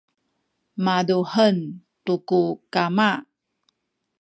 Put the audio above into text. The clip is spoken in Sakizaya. mazuhem tu ku kama